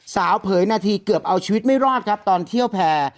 เผยนาทีเกือบเอาชีวิตไม่รอดครับตอนเที่ยวแพร่